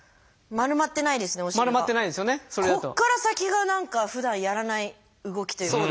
ここから先が何かふだんやらない動きというか。